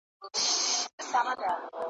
د مرګ سېل یې په غېږ کي دی باران په باور نه دی `